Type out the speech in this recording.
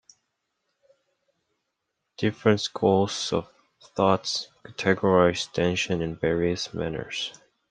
Different schools of thought categorize dantian in various manners.